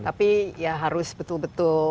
tapi ya harus betul betul